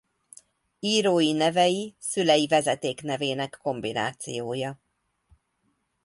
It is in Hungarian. Írói nevei szülei vezetéknevének kombinációja.